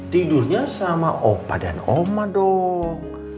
tidurnya sama opa dan oma dong